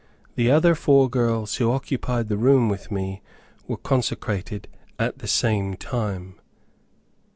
The other four girls who occupied the room with me, were consecrated at the same time.